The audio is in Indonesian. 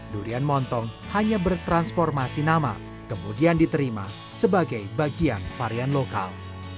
durian montong hanya bertransformasi nama kemudian diterima sebagai bagian varian lokal